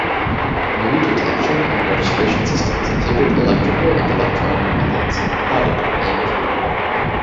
New detection and registration systems included electrical and electronic methods, and plotted in ink.